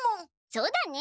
そうだね。